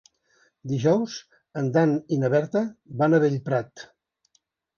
Dijous en Dan i na Berta van a Bellprat.